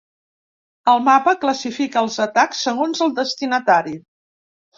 El mapa classifica els atacs segons el destinatari.